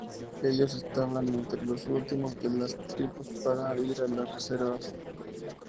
Ellos estaban entre los últimos de las tribus para ir a las reservas.